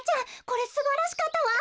これすばらしかったわ！